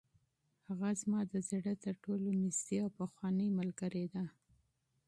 هغه زما د زړه تر ټولو نږدې او پخوانۍ ملګرې ده.